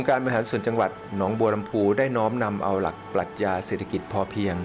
การบริหารส่วนจังหวัดหนองบัวลำพูได้น้อมนำเอาหลักปรัชญาเศรษฐกิจพอเพียง